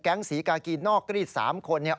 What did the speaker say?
ศรีกากีนอกรีด๓คนเนี่ย